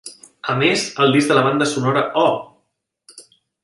A més, el disc de la banda sonora Oh!